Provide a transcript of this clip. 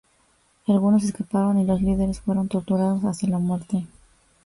Algunos escaparon y los líderes fueron torturados hasta la muerte.